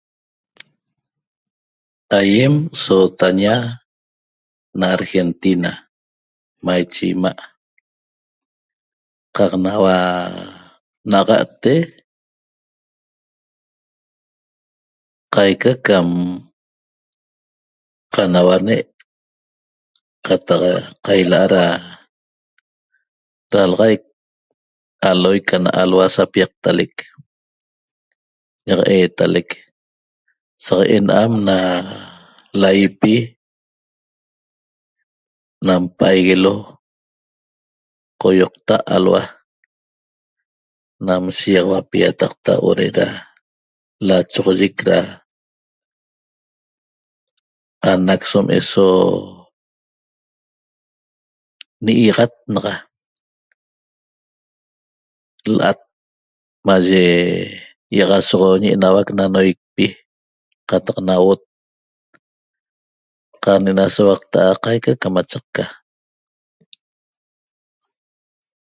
Aiem sootaña na Argentina maiche ima' qaq naua naxa'te qaica cam sanauane' qataq qaila'a ra ralaxaic aloic ana alhua sapiaqtalec ñaq eetalec saq enam nam laiepi nam pa'aiguilo qoioqta alhua nam shigaxauapi iataqta huo'o ra lachoxoyec ra anac som eso ni'iaxat naxa la'at maye iaxasoxoñi enauac na noiecpi qataq na auot qaq ne'ena souaqta'a qaica ca machaqca